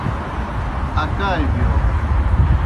اکائے بِیو۔